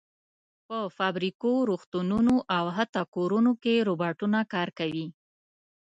په فابریکو، روغتونونو او حتی کورونو کې روباټونه کار کوي.